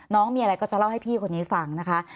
น้องมีอะไรก็จะเล่าให้พี่คนนี้ฟังนะคะ